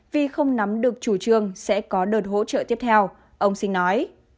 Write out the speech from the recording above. vì không nắm được chủ trương sẽ có đợt hỗ trợ tiếp theo ông sinh nói